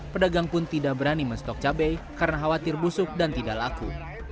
pedagang pun tidak berani menstok cabai karena khawatir busuk dan tidak laku